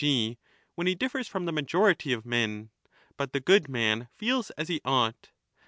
g. when he differs from the majority of men ; but the good man feels as he ought.